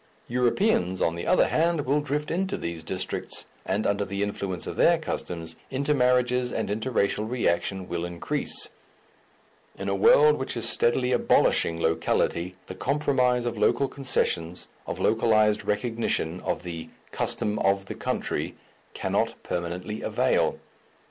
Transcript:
Europeans, on the other hand, will drift into these districts, and under the influence of their customs, intermarriages and interracial reaction will increase; in a world which is steadily abolishing locality, the compromise of local concessions, of localized recognition of the "custom of the country," cannot permanently avail.